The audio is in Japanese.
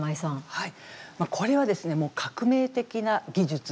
はいこれはですねもう革命的な技術であると。